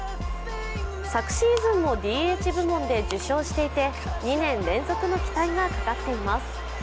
昨シーズンもＤＨ部門で受賞していて、２年連続の期待がかかっています。